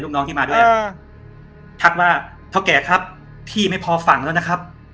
น้องที่มาด้วยทักว่าเท่าแก่ครับพี่ไม่พอฝั่งแล้วนะครับ